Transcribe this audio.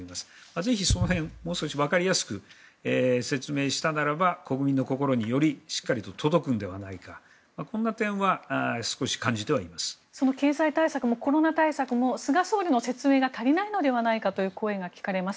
ぜひその辺をもう少しわかりやすく説明すれば国民の心によりしっかりと届くのではないか経済対策もコロナ対策も菅総理の説明が足りないのではないかという声が聞かれます。